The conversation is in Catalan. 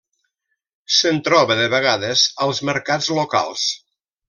Se'n troba, de vegades, als mercats locals.